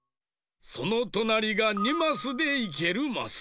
そのとなりが２マスでいけるマス。